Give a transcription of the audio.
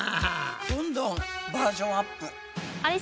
どんどんバージョンアップ。